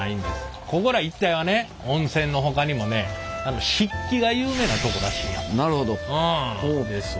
ここら一帯はね温泉のほかにもね漆器が有名なとこらしいんやわ。